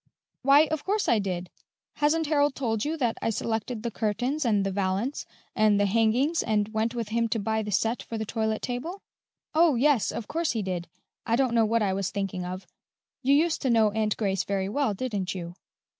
"Why, of course I did! Hasn't Harold told you that I selected the curtains, and the valance, and the hangings, and went with him to buy the set for the toilette table?" "Oh, yes, of course he did. I don't know what I was thinking of. You used to know Aunt Grace very well, didn't you?"